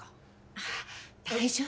あっ大丈夫